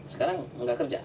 sekarang nggak kerja